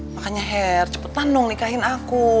makanya hair cepetan dong nikahin aku